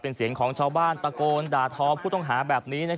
เป็นเสียงของชาวบ้านตะโกนด่าทอผู้ต้องหาแบบนี้